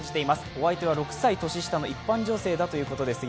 お相手は６歳年下の一般女性だということです。